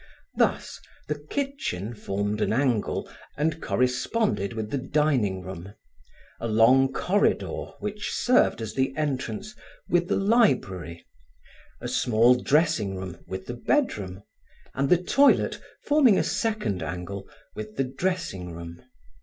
Thus, the kitchen formed an angle, and corresponded with the dining room; a long corridor, which served as the entrance, with the library; a small dressing room, with the bedroom; and the toilet, forming a second angle, with the dressing room.